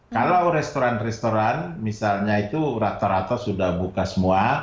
kalau restoran restoran misalnya itu rata rata sudah buka semua